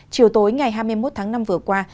chiều tối ngày hai mươi một tháng năm vừa qua